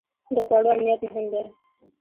د خوړو امنیت مهم دی.